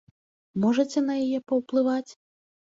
Можаце на яе паўплываць?